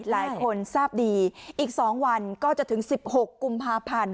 หลายคนทราบดีอีก๒วันก็จะถึง๑๖กุมภาพันธ์